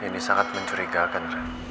ini sangat mencurigakan rad